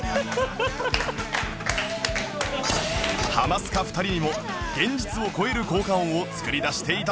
ハマスカ２人にも現実を超える効果音を作り出して頂きます